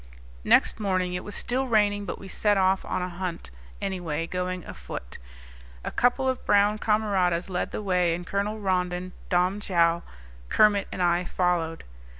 Next morning it was still raining, but we set off on a hunt, anyway, going afoot. A couple of brown camaradas led the way, and Colonel Rondon, Dom Joao, Kermit, and I followed.